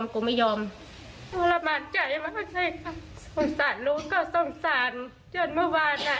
กูไม่ยอมโทรมานใจมากเลยครับสงสัยรู้ก็สงสัยจนเมื่อวานอ่ะ